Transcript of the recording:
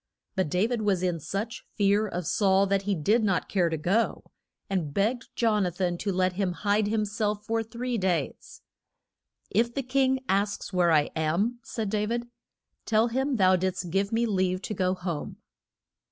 But Da vid was in such fear of Saul that he did not care to go, and begged Jon a than to let him hide him self for three days. If the king asks where I am, said Da vid, tell him that thou did'st give me leave to go home.